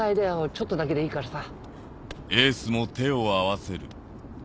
ちょっとだけでいいからさ。